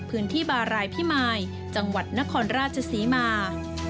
พื้นที่บารายพิมายจังหวัดนครราชศรีมา